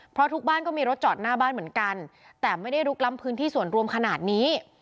เพราะทุกบ้านก็มีรถจอดหน้าบ้านเหมือนกันแต่ไม่ได้ลุกล้ำพื้นที่ส่วนรวมขนาดนี้